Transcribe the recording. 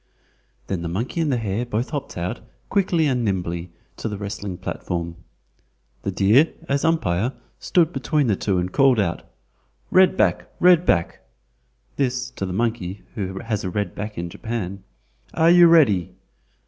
Then the monkey and the hare both hopped out, quickly and nimbly, to the wrestling platform. The deer, as umpire, stood between the two and called out: "Red back! Red back!" (this to the monkey, who has a red back in Japan). "Are you ready?"